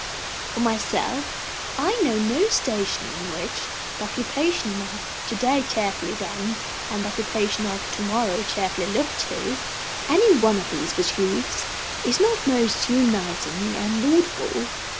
For myself, I know no station in which, the occupation of to day cheerfully done and the occupation of to morrow cheerfully looked to, any one of these pursuits is not most humanising and laudable.